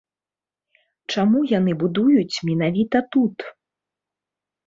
Чаму яны будуюць менавіта тут?